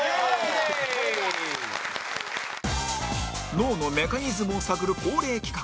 脳のメカニズムを探る恒例企画